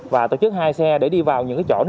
và tổ chức hai xe để đi vào